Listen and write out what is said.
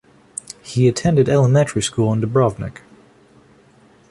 He attended elementary school in Dubrovnik.